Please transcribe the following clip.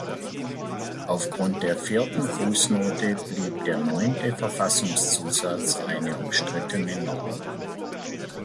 Aufgrund der vierten Fußnote blieb der neunte Verfassungszusatz eine umstrittene Norm.